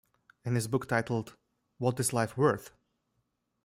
In his book titled What is Life Worth?